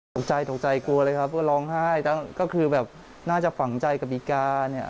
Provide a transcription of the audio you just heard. ตกใจตกใจกลัวเลยครับก็ร้องไห้แต่ก็คือแบบน่าจะฝังใจกฎิกาเนี่ย